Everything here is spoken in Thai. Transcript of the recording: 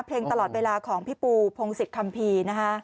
เพลงตลอดเวลาของพี่ปูพงศิษยคัมภีร์นะคะ